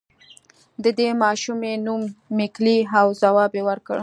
د دې ماشومې نوم ميکلي و او ځواب يې ورکړ.